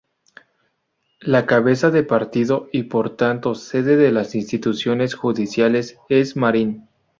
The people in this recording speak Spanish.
La cabeza de partido y por tanto sede de las instituciones judiciales es Marín.